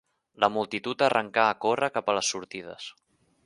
La multitud arrencà a córrer cap a les sortides